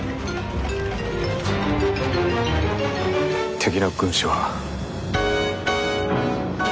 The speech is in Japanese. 敵の軍師は。